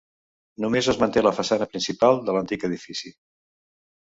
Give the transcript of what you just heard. Només es manté la façana principal de l'antic edifici.